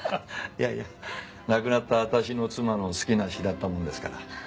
亡くなった私の妻の好きな詩だったもんですから。